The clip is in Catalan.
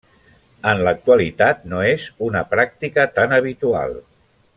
En l'actualitat no és una pràctica tan habitual.